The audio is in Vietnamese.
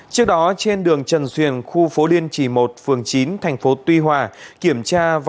trước đó trên đường trần xuyền khu phố điên trì một phường chín thành phố tuy hòa